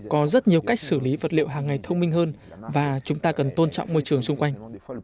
có rất nhiều cách xử lý vật liệu hàng ngày thông minh hơn và chúng ta cần tôn trọng môi trường xung quanh